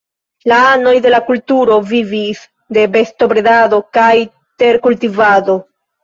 La anoj de la kulturo vivis de bestobredado kaj terkultivado.